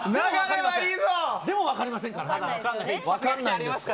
でもまだ分かりませんからね。